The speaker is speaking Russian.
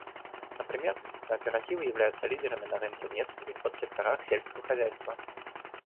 Например, кооперативы являются лидерами на рынке в нескольких подсекторах сельского хозяйства.